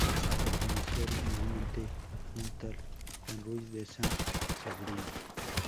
Perteneció originariamente a un tal Juan Ruiz de San Cebrián.